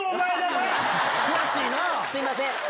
すいません。